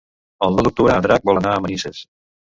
El nou d'octubre en Drac vol anar a Manises.